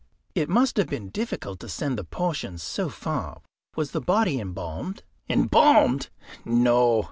"It must have been difficult to send the portions so far. Was the body embalmed?" "Embalmed! no.